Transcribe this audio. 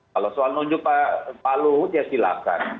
kalau soal menunjuk pak luhut ya silakan